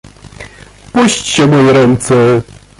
"Puśćcie moje ręce!"